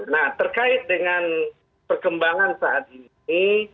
nah terkait dengan perkembangan saat ini